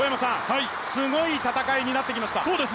すごい戦いになってきました。